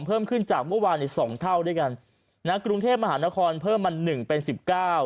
เพิ่มขึ้นจากเมื่อวานในสองเท่าด้วยกันนะกรุงเทพมหานครเพิ่มมาหนึ่งเป็นสิบเก้า